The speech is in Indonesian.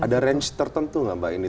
ada range tertentu nggak mbak ini